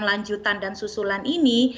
lanjutan dan susulan ini